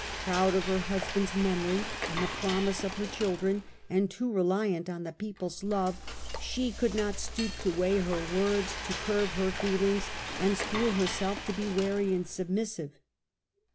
Proud of her husband's memory and the promise of her children, and too re liant on the people's love, she could not stoop to weigh her words, to curb her feelings, and school herself to be wary and submissive.